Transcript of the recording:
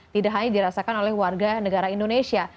tidak hanya dirasakan oleh warga negara indonesia